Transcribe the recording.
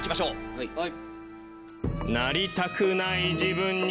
はい。